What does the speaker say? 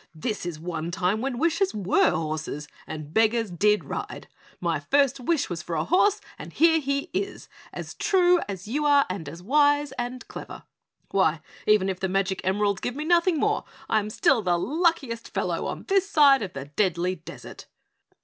"This is one time when wishes WERE horses and beggars DID ride. My first wish was for a horse and here he is, and as true as you are and as wise and clever. Why, even if the magic emeralds give me nothing more, I am still the luckiest fellow on this side of the Deadly Desert!"